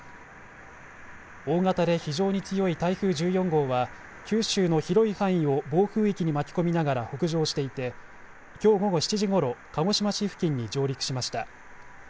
大型で非常に強い台風１４号は九州の広い範囲を暴風域に巻き込みながら北上していてきょう午後７時ごろ鹿児島市付近に上陸しました。